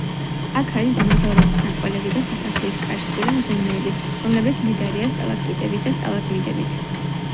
აქ არის დინოზავრების ნაკვალევი და სათაფლიის კარსტული მღვიმეები, რომლებიც მდიდარია სტალაქტიტებით და სტალაგმიტებით.